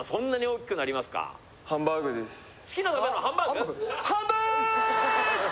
好きな食べ物ハンバーグ？